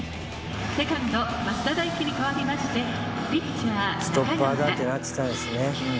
セカンド増田大輝に代わりましてピッチャー中川。